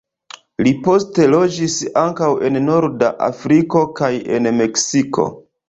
Li poste loĝis ankaŭ en norda Afriko kaj en Meksiko.